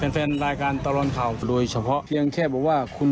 เฮ้ยทำเป็นเล่น